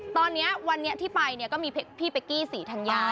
ตอนนี้ที่ไปก็มีพี่เปคกี้สีธัญญา